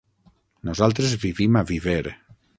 Nosaltres vivim a Viver.